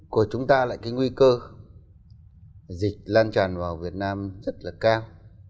của chúng ta lại cái nguy cơ dịch lan tràn vào việt nam rất là cao